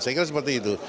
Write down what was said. saya kira seperti itu